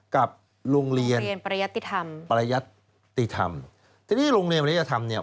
กับโรงเรียนปรยศติธรรมที่นี่โรงเรียนปรยศติธรรมเนี่ย